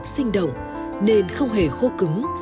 sinh động nền không hề khô cứng